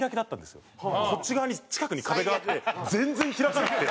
こっち側に近くに壁があって全然開かなくて。